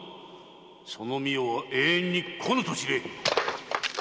その御代は永遠に来ぬと知れ！